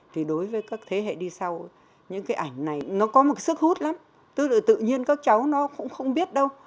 thì đối với các thế hệ đi sau những cái ảnh này nó có một sức hút lắm tức là tự nhiên các cháu nó cũng không biết đâu